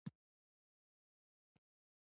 د حدیبې سوله یو بل پر مختګ وو.